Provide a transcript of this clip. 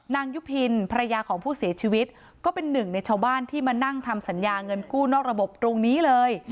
ยุพินภรรยาของผู้เสียชีวิตก็เป็นหนึ่งในชาวบ้านที่มานั่งทำสัญญาเงินกู้นอกระบบตรงนี้เลย